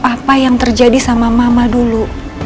apa yang terjadi sama mama dulu